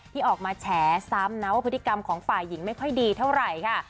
ที่ออกมาแฉซ้ำนะว่าพฤติกรรมของฝ่ายหญิงไม่ค่อยดีเท่าไหร่ค่ะ